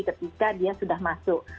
ketika dia sudah masuk